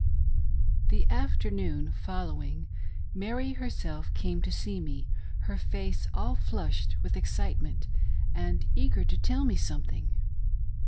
THE afternoon following, Mary herself came to see me, her face all flushed with excitement, and eager to tell me something.